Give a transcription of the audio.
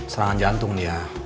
serangan jantung dia